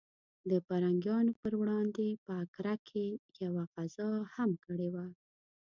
د پرنګیانو پر وړاندې په اګره کې یوه غزا هم کړې وه.